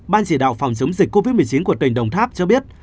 ban chỉ đạo phòng chống dịch covid một mươi chín của tỉnh đồng tháp cho biết